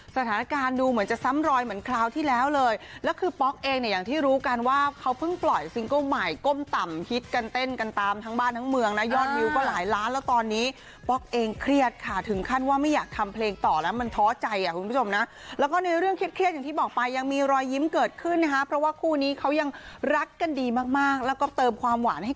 สถานการณ์ดูเหมือนจะซ้ำรอยเหมือนคราวที่แล้วเลยแล้วคือป๊อกเองเนี่ยอย่างที่รู้กันว่าเขาเพิ่งปล่อยซิงเกิ้ลใหม่ก้มต่ำฮิตกันเต้นกันตามทั้งบ้านทั้งเมืองนะยอดวิวก็หลายล้านแล้วตอนนี้ป๊อกเองเครียดค่ะถึงขั้นว่าไม่อยากทำเพลงต่อแล้วมันท้อใจอ่ะคุณผู้ชมน่ะแล้วก็ในเรื่องเครียดเครียดอย่างที่